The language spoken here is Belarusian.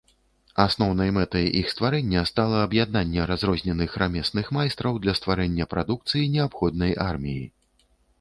Асноўнай мэтай іх стварэння стала аб'яднанне разрозненых рамесных майстраў для стварэння прадукцыі, неабходнай арміі.